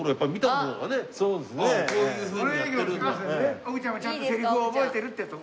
おぐちゃんもちゃんとセリフを覚えてるってところをね。